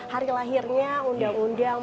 hari lahirnya undang undang